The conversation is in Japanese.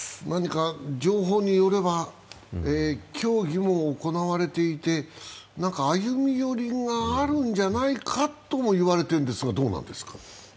何か情報によれば、協議も行われていて、歩み寄りがあるんじゃないかともいわれているんですが、どうなんですか？